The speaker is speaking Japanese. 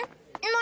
何？